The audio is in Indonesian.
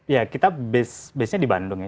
ya kita base nya di bandung ya